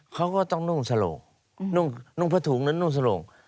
เขาก็ต้องนุ่งสลงนุ่งผถุงและนุ่งสลง